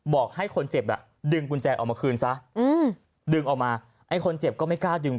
บอกให้คนเจ็บอ่ะดึงกุญแจออกมาคืนซะดึงออกมาไอ้คนเจ็บก็ไม่กล้าดึง